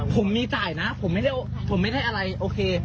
ผมมีจ่ายนะผมไม่ได้อะไรโอเค